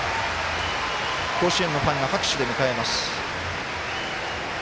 甲子園のファンが拍手で迎えます。